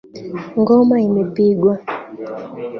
Ngoma imepigwa.